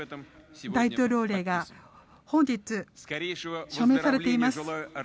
大統領令が本日、署名されています。